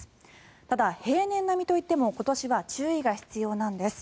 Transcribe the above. ただ、平年並みといっても今年は注意が必要なんです。